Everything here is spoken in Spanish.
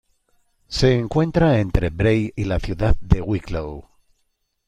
Se encuentra entre Bray y la ciudad de Wicklow.